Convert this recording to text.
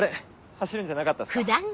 走るんじゃなかったんすか？